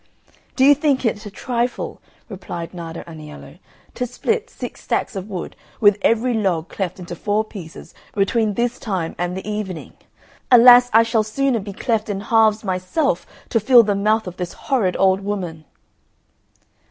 "Do you think it a trifle," replied Nardo Aniello, "to split six stacks of wood, with every log cleft into four pieces, between this time and the evening? Alas, I shall sooner be cleft in halves myself to fill the mouth of this horrid old woman."